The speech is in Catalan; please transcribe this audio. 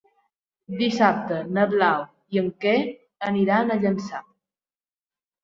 Dissabte na Blau i en Quer aniran a Llançà.